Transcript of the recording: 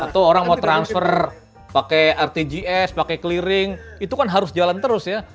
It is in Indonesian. atau orang mau transfer pakai rtgs pakai clearing itu kan harus jalan terus ya